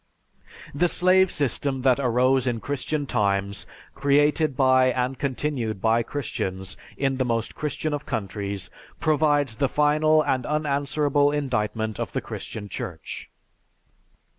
_) The slave system that arose in Christian times, created by and continued by Christians in the most Christian of countries, provides the final and unanswerable indictment of the Christian Church.